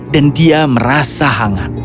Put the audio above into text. dan dia merasa hangat